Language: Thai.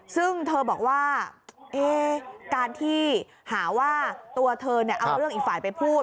ซึ่งเธอบอกว่าการที่หาว่าตัวเธอเอาเรื่องอีกฝ่ายไปพูด